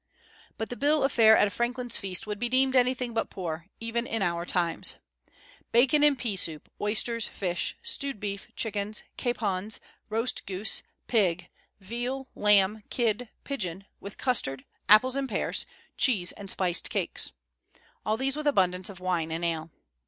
But the bill of fare at a franklin's feast would be deemed anything but poor, even in our times, "bacon and pea soup, oysters, fish, stewed beef, chickens, capons, roast goose, pig, veal, lamb, kid, pigeon, with custard, apples and pears, cheese and spiced cakes." All these with abundance of wine and ale.